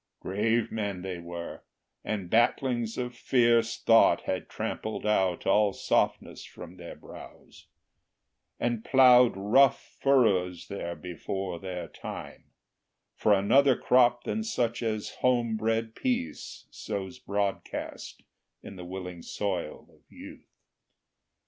Grave men they were, and battlings of fierce thought Had trampled out all softness from their brows, And ploughed rough furrows there before their time, For another crop than such as homebred Peace Sows broadcast in the willing soil of Youth.